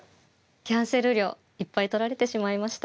キャンセル料いっぱい取られてしまいました。